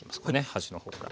端の方から。